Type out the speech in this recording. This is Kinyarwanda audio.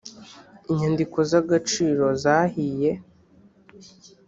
i nyandiko z’ agaciro zahiye.